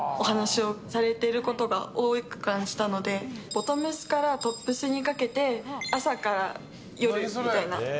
ボトムスからトップスにかけて朝から夜みたいな。